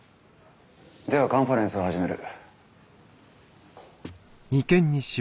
ではカンファレンスを始める。